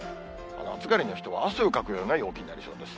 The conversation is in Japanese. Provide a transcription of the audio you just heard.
暑がりの人は汗をかくような陽気になりそうです。